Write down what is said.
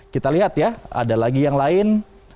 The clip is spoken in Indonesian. kita lihat ya ada lagi yang lain